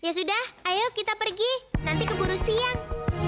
ya sudah ayo kita pergi nanti keburu siang